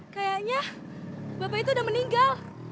kayaknya bapak itu udah meninggal